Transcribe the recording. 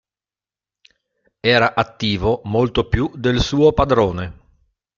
Era attivo molto più del suo padrone.